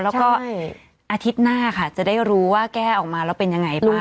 แล้วก็อาทิตย์หน้าค่ะจะได้รู้ว่าแก้ออกมาแล้วเป็นยังไงบ้าง